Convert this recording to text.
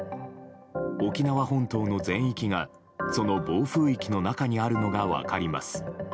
沖縄本島の全域がその暴風域の中にあるのが分かります。